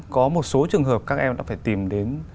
có một số trường hợp các em đã phải tìm đến